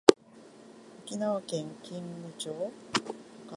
沖縄県金武町